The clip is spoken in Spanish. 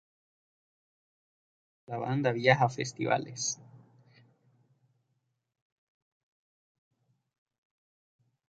Pronto la banda viaja a festivales.